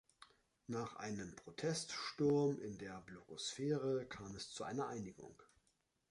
Nach einem Proteststurm in der Blogosphäre kam es zu einer Einigung.